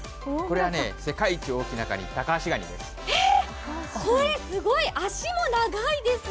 これは世界一大きなカニ、タカアシガニです。